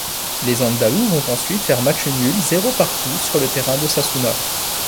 Les andalous vont ensuite faire match nul zéro partout sur le terrain d'Osasuna.